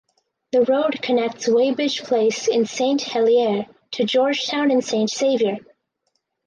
The road connects Weighbridge Place in St Helier to Georgetown in St Saviour.